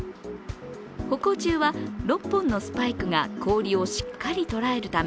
歩行中は６本のスパイクが氷をしっかり捉えるため